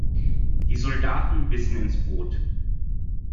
Die Soldaten bissen ins Brot.